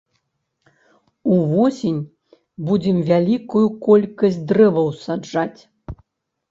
Увосень будзем вялікую колькасць дрэваў саджаць.